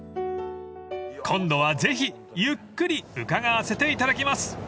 ［今度はぜひゆっくり伺わせていただきます］